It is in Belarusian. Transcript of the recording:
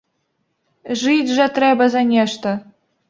Жыць жа трэба за нешта.